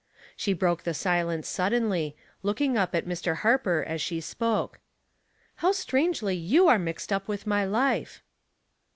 She broke the silence suddenly, looking up at Mr. Harper as she spoke, — "How strangely you are mixed up with my life."